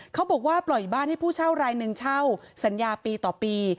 เขาบอกว่าปล่อยบ้านให้ผู้เช่ารายหนึ่งเช่าสัญญาปีต่อปี